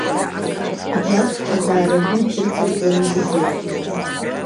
Абри акәҵәҟьазаарын уи дзырцыркьуан иибоз!